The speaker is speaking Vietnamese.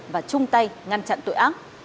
và chung tay ngăn chặn tội ác